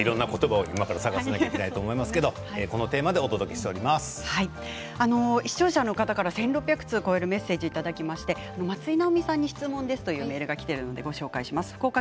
なんとか、いろんな言葉を今から探さないといけないと思い視聴者の方から１６００通を超えるメッセージいただきまして松居直美さんに質問ですというメールです。